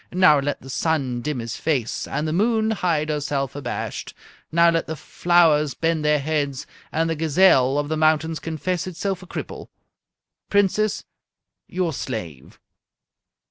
Now let the sun dim his face and the moon hide herself abashed. Now let the flowers bend their heads and the gazelle of the mountains confess itself a cripple. Princess, your slave!"